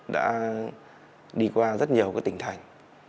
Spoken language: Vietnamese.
đã đi qua rất nhiều tỉnh thành